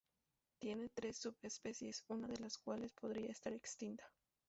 Tiene tres subespecies, una de las cuales podrían estar extinta.